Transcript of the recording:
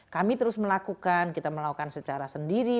kami terus melakukan kita melakukan secara sendiri